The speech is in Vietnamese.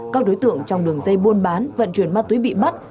các đối tượng trong đường dây buôn bán vận chuyển ma túy bị bắt